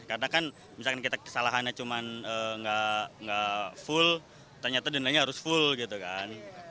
karena kan misalkan kita kesalahannya cuma nggak full ternyata dendanya harus full gitu kan